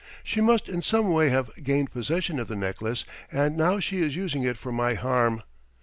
She must in some way have gained possession of the necklace, and now she is using it for my harm.